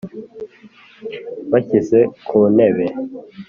bashyize ku ntebe